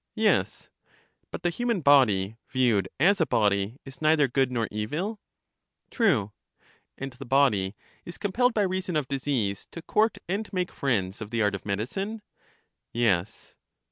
Yes. But the human body, viewed as a body, is neither good nor evil? True. And the body is compelled by reason of disease to court and make friends of the art of medicine? Yes.